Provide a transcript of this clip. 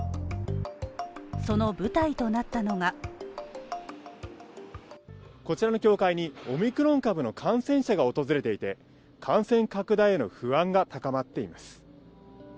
その舞台となったのがこちらの教会にオミクロン株の感染者が訪れていて、感染拡大への不安が高まっています。